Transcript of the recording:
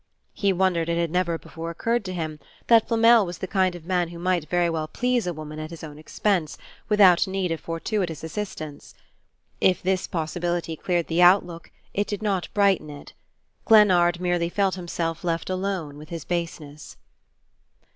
He wondered it had never before occurred to him that Flamel was the kind of man who might very well please a woman at his own expense, without need of fortuitous assistance. If this possibility cleared the outlook it did not brighten it. Glennard merely felt himself left alone with his baseness.